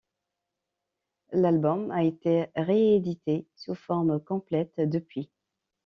L'album a été réédité sous forme complète depuis.